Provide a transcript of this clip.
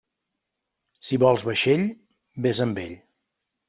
Si vols vaixell, vés amb ell.